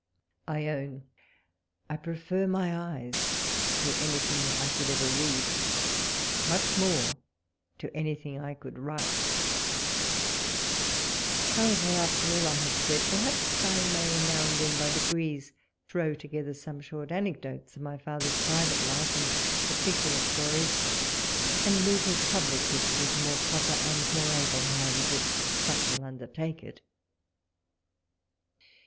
I own I prefer my eyes to anything I could ever read, much more to anything I could write. Howevci', walpole's letters. 69 after all I have said, perhaps I may now and then, by degrees, throw together some short anecdotes of my father's private life and par ticular story, and leave his public history to more proper and more able hands, if such will undertake it.